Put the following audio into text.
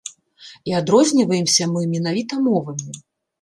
І адрозніваемся мы менавіта мовамі.